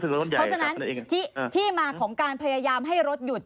เพราะฉะนั้นที่มาของการพยายามให้รถหยุด